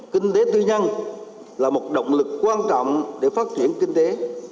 kinh tế tư nhân là một động lực quan trọng để phát triển kinh tế